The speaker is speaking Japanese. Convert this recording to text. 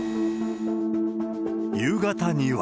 夕方には。